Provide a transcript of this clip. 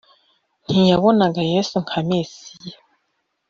Ntiyabonaga Yesu nka Mesiya